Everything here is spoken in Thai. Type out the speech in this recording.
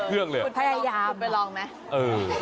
เพื่อย้าให้กินเสียง